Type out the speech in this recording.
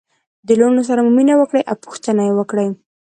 د لوڼو سره مو مینه وکړئ او پوښتنه يې وکړئ